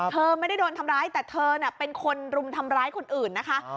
เธอไม่ได้โดนทำร้ายแต่เธอน่ะเป็นคนรุมทำร้ายคนอื่นนะคะ